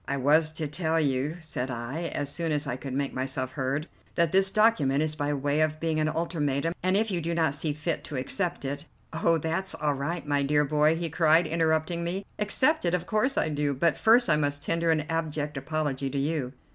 "I was to tell you," said I, as soon as I could make myself heard, "that this document is by way of being an ultimatum, and if you do not see fit to accept it " "Oh, that's all right, my dear boy," he cried, interrupting me. "Accept it? Of course I do, but first I must tender an abject apology to you."